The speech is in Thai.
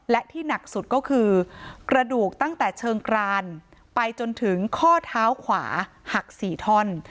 และที่หนักสุดก็คือกระดูกตั้งแต่เชิงกรานไปจนถึงข้อเท้าขวาหัก๔ท่อน